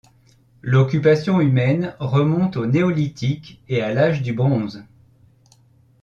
L'occupation humaine remonte au Néolithique et à l'âge du bronze.